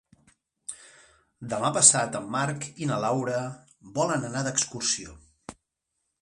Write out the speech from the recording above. Demà passat en Marc i na Laura volen anar d'excursió.